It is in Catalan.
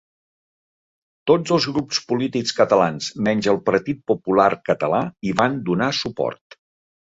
Tots els grups polítics catalans menys el Partit Popular Català hi van donar suport.